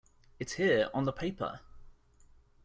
It's here — on the paper!